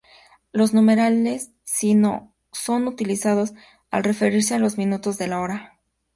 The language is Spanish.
Los numerales Sino son utilizados al referirse a los minutos de la hora.